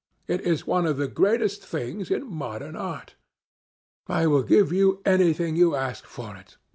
It is one of the greatest things in modern art. I will give you anything you like to ask for it.